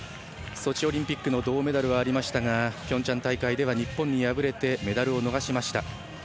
ソチオリンピックの銅メダルはありましたがピョンチャン大会では日本に敗れて銅メダルを逃しました。